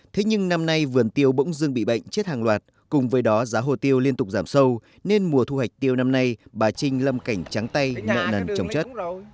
thế nhưng năm nay vườn tiêu bỗng dưng bị bệnh chết hàng loạt cùng với đó giá hồ tiêu liên tục giảm sâu nên mùa thu hoạch tiêu năm nay bà trinh lâm cảnh trắng tay nợ nần trồng chất